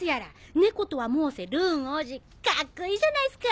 猫とは申せルーン王子カッコいいじゃないすか！